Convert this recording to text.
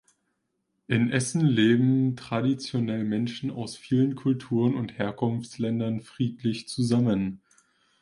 In Essen leben traditionell Menschen aus vielen Kulturen und Herkunftsländern friedlich zusammen.